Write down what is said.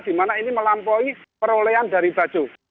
di mana ini melampaui perolehan dari baju